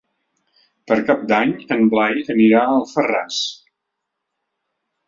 Per Cap d'Any en Blai anirà a Alfarràs.